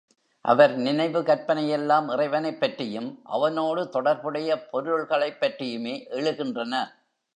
அவர் நினைவு, கற்பனை எல்லாம் இறைவனைப் பற்றியும் அவனோடு தொடர்புடைய பொருள்களைப் பற்றியுமே எழுகின்றன.